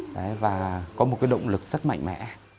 đấy và có một cái động lực rất mạnh mẽ